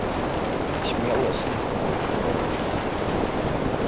Смела, сынку мой, варожыш.